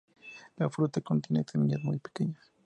La fruta contiene semillas muy pequeñas.